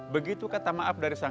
begitu kata maaf dari sang